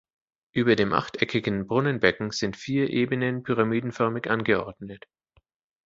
Über dem achteckigen Brunnenbecken sind vier Ebenen pyramidenförmig angeordnet.